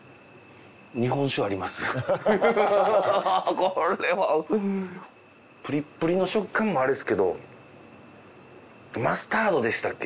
これはプリップリの食感もあれですけどマスタードでしたっけ？